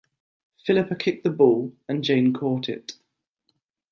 Philippa kicked the ball, and Jane caught it.